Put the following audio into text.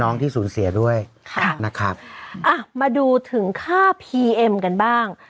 ที่สูญเสียด้วยค่ะนะครับอ่ะมาดูถึงค่าพีเอ็มกันบ้าง